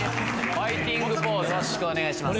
ファイティングポーズよろしくお願いします